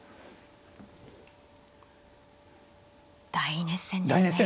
大熱戦ですね。